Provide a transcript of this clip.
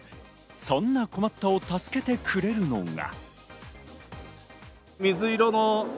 そんな困ったを助けてくれるのが。